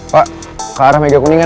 pak ke arah mega kuningan